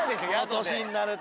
この年になると。